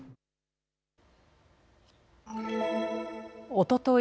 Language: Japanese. おととい